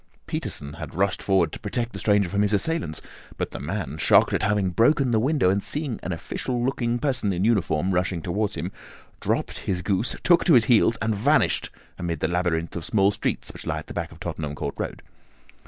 Peterson had rushed forward to protect the stranger from his assailants; but the man, shocked at having broken the window, and seeing an official looking person in uniform rushing towards him, dropped his goose, took to his heels, and vanished amid the labyrinth of small streets which lie at the back of Tottenham Court Road.